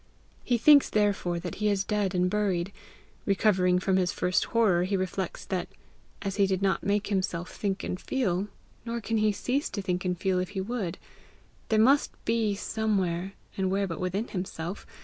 He thinks therefore that he is dead and buried. Recovering from his first horror, he reflects that, as he did not make himself think and feel, nor can cease to think and feel if he would, there must be somewhere and where but within himself?